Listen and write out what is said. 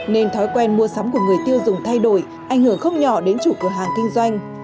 nên thói quen mua sắm của người tiêu dùng thay đổi ảnh hưởng không nhỏ đến chủ cửa hàng kinh doanh